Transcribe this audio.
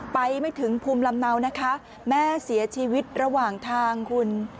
ไปไม่ถึงภูมิลำเนานะคะแม่เสียชีวิตระหว่างทางคุณ